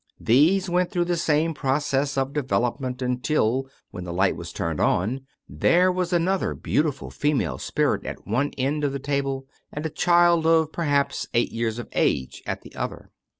These wait through the same process of development until, ^5 True Stories of Modern Magic when the light was turned on, there was another beautiful female spirit at one end of the table, and a child of perhaps eight years of age at the other.